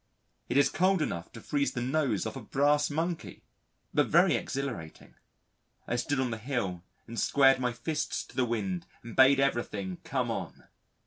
It is cold enough to freeze the nose off a brass Monkey, but very exhilarating. I stood on the hill and squared my fists to the wind and bade everything come on.